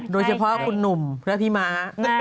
โดยเฉพาะคุณหนุ่มและพี่ม้า